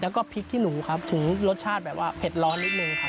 แล้วก็พริกขี้หนูครับถึงรสชาติแบบว่าเผ็ดร้อนนิดนึงครับ